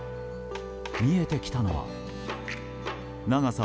見えてきたのは長さ